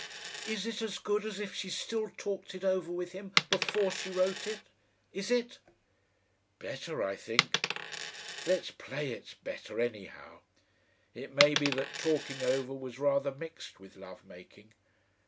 "Is it as good as if she still talked it over with him before she wrote it? Is it?" "Better, I think. Let's play it's better anyhow. It may be that talking over was rather mixed with love making.